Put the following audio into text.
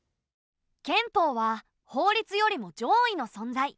憲法は法律よりも上位の存在。